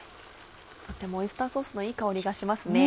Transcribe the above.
とてもオイスターソースのいい香りがしますね。